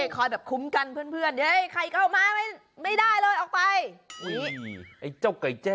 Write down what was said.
คอยแบบคุ้มกันเพื่อนใครเข้ามาไม่ได้เลยออกไป